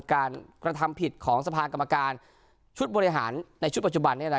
ขารองทำผิดของสะพางกรรมการชุดกรรมบริหารในชุดปัจจุบัน